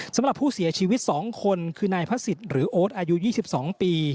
สำหรับผู้เสียชีวิต๒คนคือนายพระศิษย์หรือโอ๊ตอายุ๒๒ปี